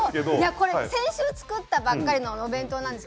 これ先週作ったばかりのお弁当です。